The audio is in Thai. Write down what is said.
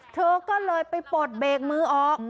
เธอก็เลยไปปลดเบรกมือออก